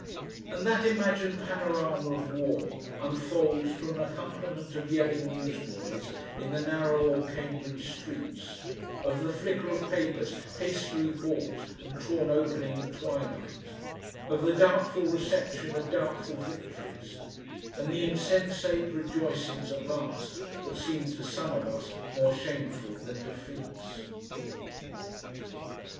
And that imagined panorama of war unfolds to an accompaniment of yelling newsboys in the narrow old Cambridge streets, of the flicker of papers hastily bought and torn open in the twilight, of the doubtful reception of doubtful victories, and the insensate rejoicings at last that seemed to some of us more shameful than defeats....